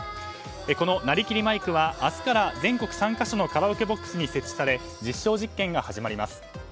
この、なりきりマイクは明日から全国３か所のカラオケボックスに設置され実証実験が始まります。